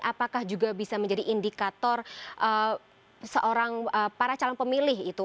apakah juga bisa menjadi indikator para calon pemilih itu